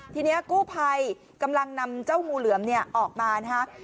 ทีนี้กู้ภัยกำลังนำเจ้างูเหลือมเนี่ยออกมานะฮะ